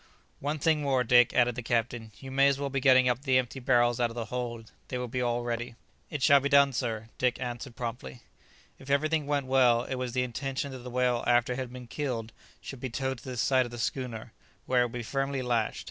"One thing more, Dick," added the captain; "you may as well be getting up the empty barrels out of the hold; they will be all ready." "It shall be done, sir," answered Dick promptly. If everything went well it was the intention that the whale after it had been killed should be towed to the side of the schooner, where it would be firmly lashed.